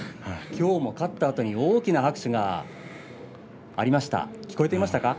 きょうも勝ったあとに大きな拍手がありました。